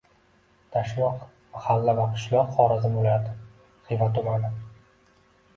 Dashyoq – mahalla va qishloq. Xorazm viloyati Xiva tumani.